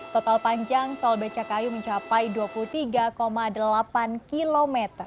total panjang tol becakayu mencapai dua puluh tiga delapan km